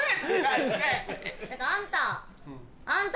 あんた！